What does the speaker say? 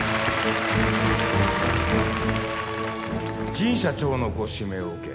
神社長のご指名を受け